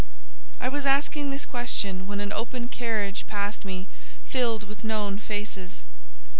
I was asking this question when an open carriage passed me filled with known faces.